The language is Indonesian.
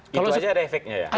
itu saja ada efeknya ya